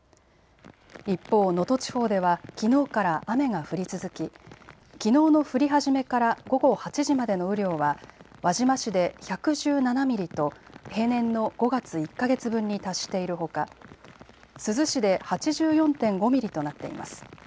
一方、能登地方ではきのうから雨が降り続ききのうの降り始めから午後８時までの雨量は輪島市で１１７ミリと平年の５月１か月分に達しているほか珠洲市で８４．５ミリとなっています。